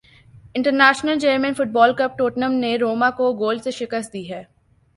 international champion football cup Tottenham نے Roma کو گول سے شکست دے دی